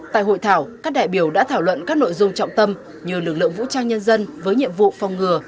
tại hội thảo các đại biểu đã thảo luận các nội dung trọng tâm như lực lượng vũ trang nhân dân với nhiệm vụ phòng ngừa